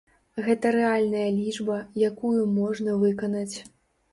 Гэта рэальная лічба, якую можна выканаць.